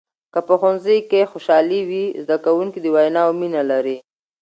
که په ښوونځي کې خوشحالي وي، زده کوونکي د ویناوو مینه لري.